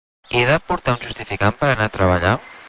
He de portar un justificant per anar a treballar?